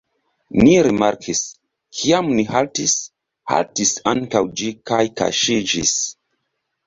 Ni rimarkis: kiam ni haltis, haltis ankaŭ ĝi kaj kaŝiĝis.